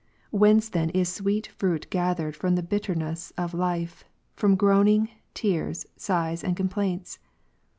Whence then is sweet fruit gathered from the bitterness of life, from groaning, tears, sighs, and complaints